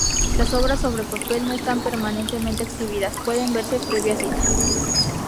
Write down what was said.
Las obras sobre papel que no están permanentemente exhibidas pueden verse previa cita.